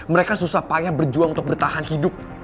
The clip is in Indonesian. mereka susah payah berjuang untuk bertahan hidup